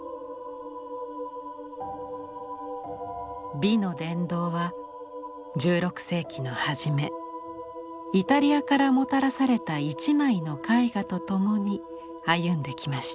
美の殿堂は１６世紀の初めイタリアからもたらされた一枚の絵画と共に歩んできました。